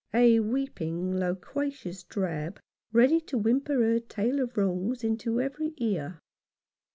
A weeping, loquacious drab, ready to whimper her tale of wrongs into every ear.